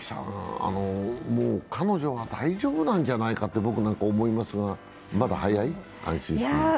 もう彼女は大丈夫なんじゃないかと僕なんか思いますが、安心するのはまだ早い？